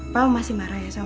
papa masih marah ya sama mama